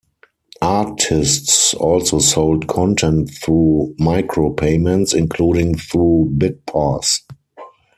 Artists also sold content through micropayments, including through BitPass.